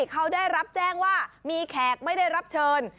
เขาได้รับแจ้งว่ามีแขกไม่ได้รับเชิญ